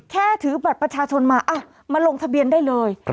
ถือบัตรประชาชนมามาลงทะเบียนได้เลย